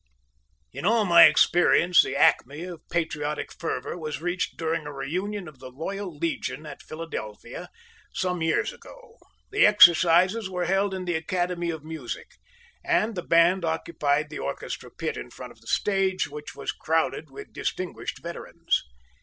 In all my experience the acme of patriotic fervor was reached during a reunion of the Loyal Legion at Philadelphia some years ago. The exercises were held in the Academy of Music, and the band occupied the orchestra pit in front of the stage, which was crowded with distinguished veterans.